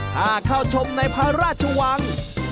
ถ้าเข้าชมในพระราชวัง